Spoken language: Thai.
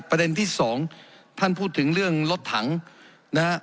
ประเด็นที่สองท่านพูดถึงเรื่องรถถังนะฮะ